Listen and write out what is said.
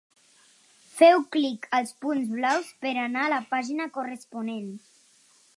Féu clic als punts blaus per anar a la pàgina corresponent.